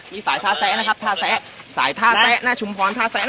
มีสายทาแซนะครับทาแซสายทาแซนะชุมพรทาแซนะ